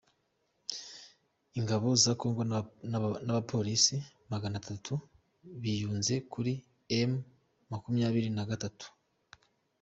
Ingabo za kongo n’abapolisi maganatatu biyunze kuri M makumyabiri nagatatu